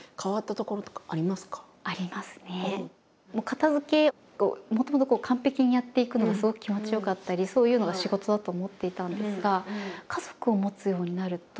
片づけをもともと完璧にやっていくのがすごく気持ちよかったりそういうのが仕事だと思っていたんですが。